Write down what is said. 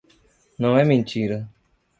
Não é mentira.